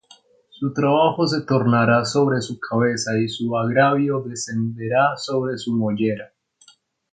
Su trabajo se tornará sobre su cabeza, Y su agravio descenderá sobre su mollera.